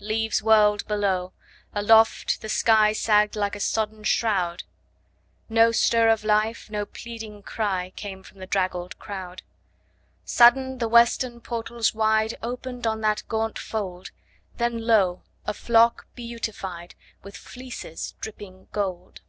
Leaves whirled below, aloft; the sky Sagged like a sodden shroud; No stir of life, no pleading cry, Came from the draggled crowd. Sudden the western portals wide Opened on that gaunt fold; Then lo, a flock beautified With fleeces dripping gold!